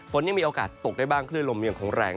ยังมีโอกาสตกได้บ้างคลื่นลมยังคงแรง